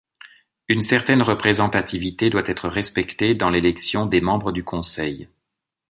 Une certaine représentativité doit être respectée dans l'élection des membres du Conseil.